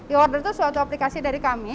e order itu suatu aplikasi dari kami